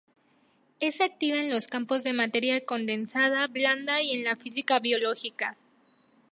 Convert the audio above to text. Es activa en los campos de materia condensada blanda y en la física biológica.